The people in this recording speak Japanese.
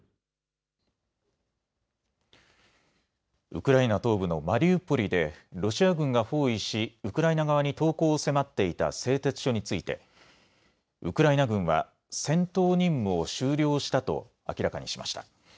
ウクライナ東部のマリウポリでロシア軍が包囲しウクライナ側に投降を迫っていた製鉄所についてウクライナ軍は戦闘任務を終了したと明らかにしました。